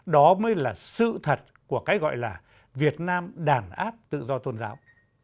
đó mới là sự thật của cái gọi là việt nam đàn áp tự do tôn giáo